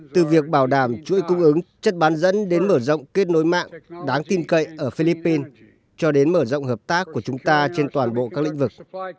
từ việc bảo đảm chuỗi cung ứng chất bán dẫn đến mở rộng kết nối mạng đáng tin cậy ở philippines cho đến mở rộng hợp tác của chúng ta trên toàn bộ các lĩnh vực